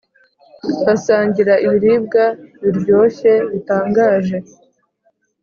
basangira ibiribwa biryoshye bitangaje.